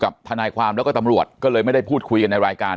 ทนายความแล้วก็ตำรวจก็เลยไม่ได้พูดคุยกันในรายการ